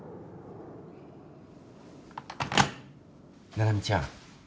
☎七海ちゃん。